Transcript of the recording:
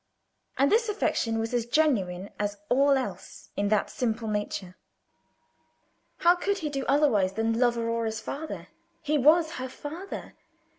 Page 52 And this affection was as genuine as all else in that simple nature. How could he do otherwise than love Aurora's father? He was her father.